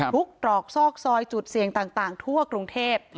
ตรอกซอกซอยจุดเสี่ยงต่างทั่วกรุงเทพ